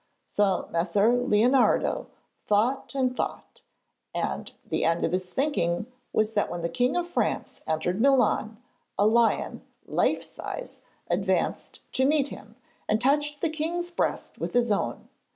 So Messer Leonardo thought and thought, and the end of his thinking was that when the King of France entered Milan, a lion, life size, advanced to meet him, and touched the king's breast with his own.